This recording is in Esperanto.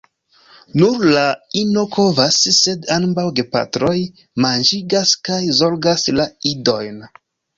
Nur la ino kovas, sed ambaŭ gepatroj manĝigas kaj zorgas la idojn.